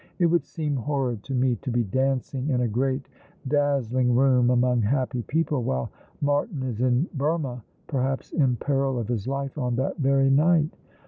It would seem horrid to me to be dancing in a great, dazzling room, among happy people, while Martin is in Burmah, perhaps in peril of bis life on that very night.